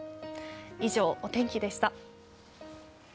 以上、お天気でした。